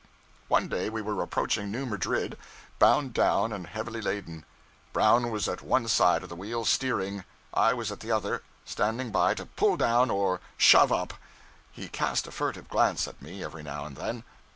One day we were approaching New Madrid, bound down and heavily laden. Brown was at one side of the wheel, steering; I was at the other, standing by to 'pull down' or 'shove up.' He cast a furtive glance at me every now and then.